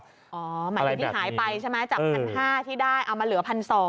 หมายถึงหายไปจาก๑๕๐๐ที่ได้เอามาเหลือ๑๒๐๐